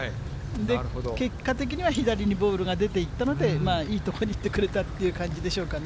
結果的には左にボールが出ていったので、いい所に行ってくれたっていう感じでしょうかね。